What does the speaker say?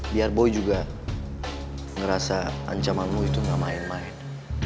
biar boy juga ngerasa ancamanmu itu gak main main